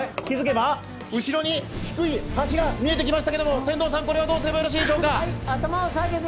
気づけば後ろに低い橋が見えてきましたけれども、船頭さん、これはどうすればよろしいでしょうか？